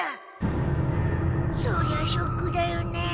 そりゃショックだよねえ。